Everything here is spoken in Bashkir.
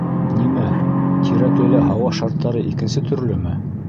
Нимә, Тирәклелә һауа шарттары икенсе төрлөмө?!